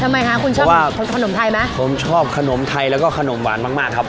ทำไมคะคุณชอบขนมไทยไหมผมชอบขนมไทยแล้วก็ขนมหวานมากมากครับ